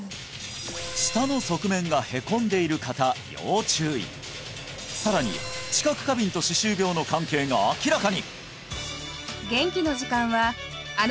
舌の側面がへこんでいる方要注意さらに知覚過敏と歯周病の関係が明らかに！